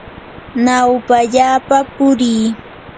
nawpallapa purii.